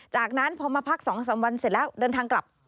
จากนั้นพอมาพัก๒๓วันเสร็จแล้วเดินทางกลับ